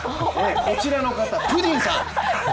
こちらの方、プディンさん。